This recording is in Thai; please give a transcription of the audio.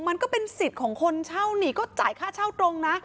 มันก็เป็นสิทธิ์ของคนเช่านี่ก็จ่ายค่าเช่าตรงนะ